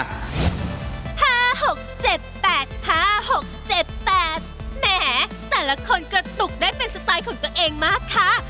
ห้าหกเจ็บแปดห้าหกเจ็บแปดแหมแต่ละคนกระตุกได้เป็นสไตล์ของตัวเองมากค่ะ